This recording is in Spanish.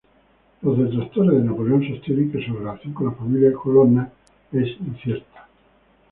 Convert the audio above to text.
Los detractores de Napoleón sostienen que su relación con la familia Colonna es incierta.